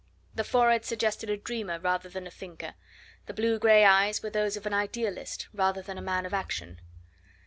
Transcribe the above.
The forehead suggested a dreamer rather than a thinker, the blue grey eyes were those of an idealist rather than of a man of action.